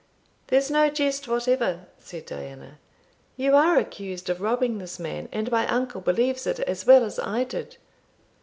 "There's no jest whatever," said Diana; "you are accused of robbing this man, and my uncle believes it as well as I did."